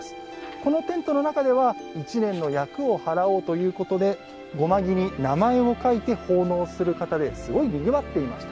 このテントの中では１年の厄を払おうということで護摩木に名前を書いて奉納する方ですごくにぎわっていました。